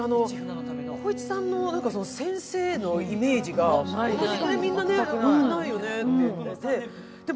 浩市さんの先生のイメージがみんなないよねっていうので。